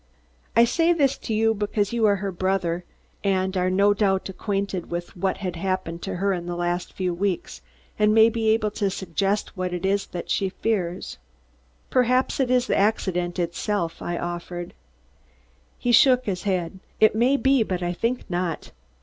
I say this to you because you are her brother and are no doubt acquainted with what has happened to her in the last few weeks, and may be able to suggest what it is she fears." "Perhaps it is the accident itself," I offered. He shook his head. "It may be, but I think not.